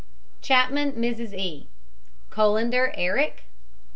CHAPMAN, MRS. E. COLANDER, ERIC.